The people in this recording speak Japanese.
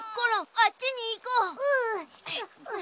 あっちにいこう。